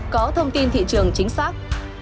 có thông tin thị trường chính xác